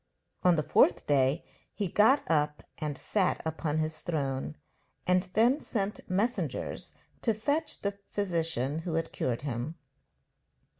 On the fourth day he got up and sat upon his throne, and then sent messengers to fetch the physician who had cured him.